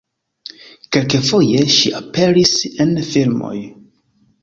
Kelkfoje ŝi aperis en filmoj.